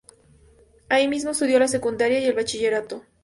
Ahí mismo estudió la secundaria y el bachillerato.